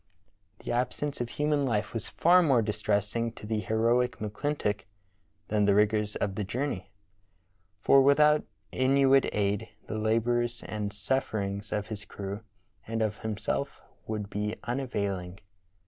The absence of human life was far more distressing to the heroic McClintock than the rigors of the jour ney, for without Inuit aid the labors and sufferings of his crew and of himself would be unavailing.